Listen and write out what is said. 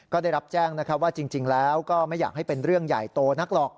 ก็ได้รับแจ้งนะครับว่าจริงแล้วก็ไม่อยากให้เป็นเรื่องใหญ่โตนักหรอก